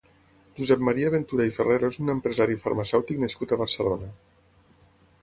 Josep Maria Ventura i Ferrero és un empresari farmacèutic nascut a Barcelona.